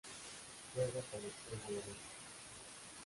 Juega como extremo derecho.